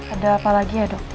ada apa lagi ya dok